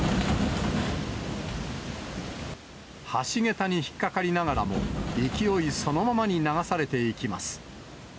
橋桁に引っ掛かりながらも、勢いそのままに流されていきます。